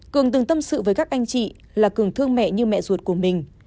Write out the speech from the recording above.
cường từng tâm sự với các anh chị là cường thương mẹ như mẹ ruột của mình